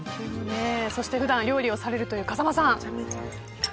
普段、料理をされるという風間さん。